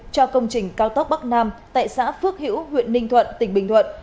cho công trình cao tốc bắc nam tại xã phước hữu huyện ninh thuận tỉnh bình thuận